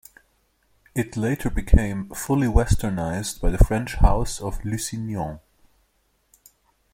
It later became fully westernised by the French House of Lusignan.